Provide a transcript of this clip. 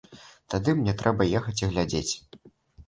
Тады мне трэба ехаць і глядзець.